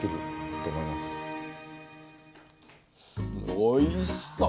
おいしそう！